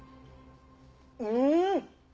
うん！